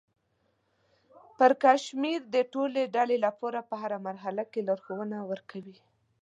پړکمشر د ټولې ډلې لپاره په هره مرحله کې لارښوونه ورکوي.